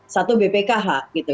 satu bpkh gitu